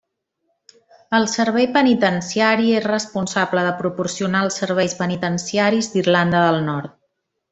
El Servei Penitenciari és responsable de proporcionar els serveis penitenciaris d'Irlanda del Nord.